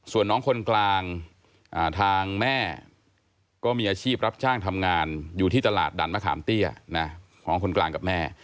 ส่วนน้องคนกลางทางแม่ก็มีอาชีพรับจ้างทำงานอยู่ที่ตลาดดันมะขามเตี้ยของคนกลางกับแม่